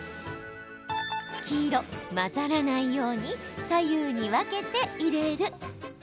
黄色混ざらないように左右に分けて入れる。